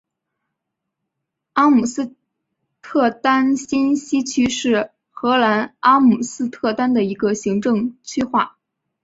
阿姆斯特丹新西区是荷兰阿姆斯特丹的一个行政区划。